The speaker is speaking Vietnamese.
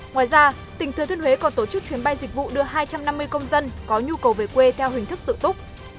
ngoài ra tp hcm còn tổ chức chuyến bay dịch vụ đưa hai trăm năm mươi công dân có nhu cầu về quê theo hình thức tự túc